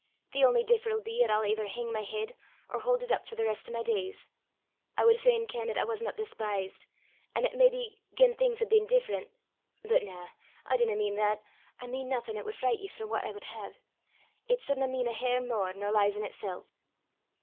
The only differ 'ill be 'at I'll aither hing my heid or haud it up for the rest o' my days. I wad fain ken 'at I wasna despised, an' 'at maybe gien things had been different, but na, I dinna mean that; I mean naething 'at wad fricht ye frae what I wad hae. It sudna mean a hair mair nor lies in itsel'."